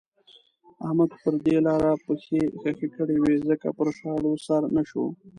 احمد پر دې لاره پښې خښې کړې وې ځکه پر شاړو سر نه شو.